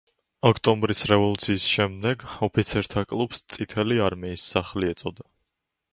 ოქტომბრის რევოლუციის შემდეგ, ოფიცერთა კლუბს ეწოდა წითელი არმიის სახლი.